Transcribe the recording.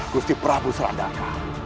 gusti prabu serandaka